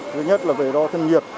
thứ nhất là về đo thân nhiệt